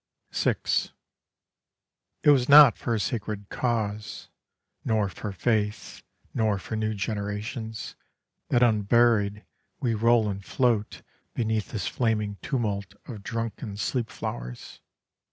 VI "It was not for a sacred cause, Nor for faith, nor for new generations, That unburied we roll and float Beneath this flaming tumult of drunken sleep flowers.